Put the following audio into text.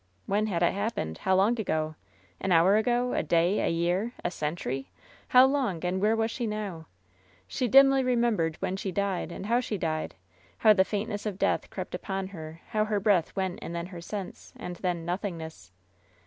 When had it happened? How long ago? An hour ago? A day? A year? A century? How long? And where was she now? She dimly remem bered when she died, and how she died — how the faint ness of death crept upon her ; how her breath went and then her sense, and then — ^nothingness.